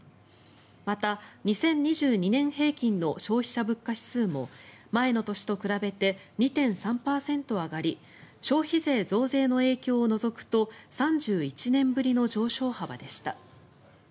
また、２０２２年平均の消費者物価指数も前の年と比べて２．３％上がり消費税増税の影響を除くと３１年ぶりの上昇幅でした。